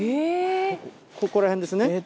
ここらへんですね。